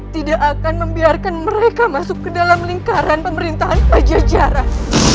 tidak akan membiarkan mereka masuk ke dalam lingkaran pemerintahan pajajaran